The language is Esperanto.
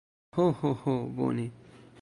Ho, ho, ho bone.